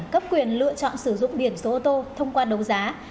cấp quyền lựa chọn sử dụng biển số ô tô thông qua đấu giá